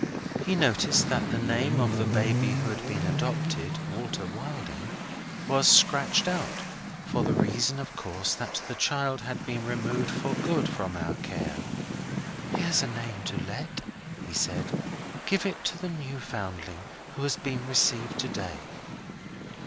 He noticed that the name of the baby who had been adopted ('Walter Wilding') was scratched out for the reason, of course, that the child had been removed for good from our care. 'Here's a name to let,' he said. 'Give it to the new foundling who has been received to day.'